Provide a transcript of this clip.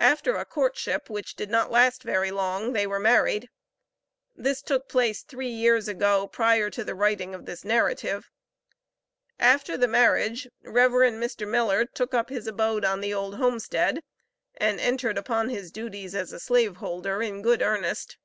After a courtship, which did not last very long, they were married. This took place three years ago, prior to the writing of this narrative. After the marriage, Rev. Mr. Miller took up his abode on the old homestead, and entered upon his duties as a slave holder in good earnest.